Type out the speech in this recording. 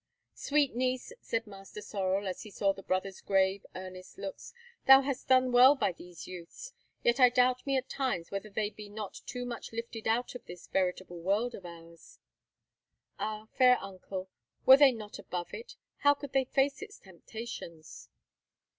"Sweet niece," said Master Sorel, as he saw the brothers' grave, earnest looks, "thou hast done well by these youths; yet I doubt me at times whether they be not too much lifted out of this veritable world of ours." "Ah, fair uncle, were they not above it, how could they face its temptations?"